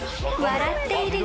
笑ってる。